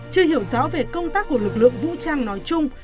chưa hiểu rõ về công tác của lực lượng vũ trang nói chung